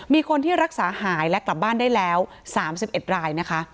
มีคนที่รักษาหายและกลับบ้านได้แล้ว๓๑รายนะคะ